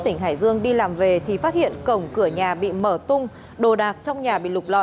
tỉnh hải dương đi làm về thì phát hiện cổng cửa nhà bị mở tung đồ đạc trong nhà bị lục lọ